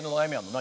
何？